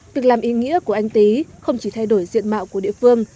việc làm ý nghĩa của anh tý không chỉ thay đổi diện mạo của địa phương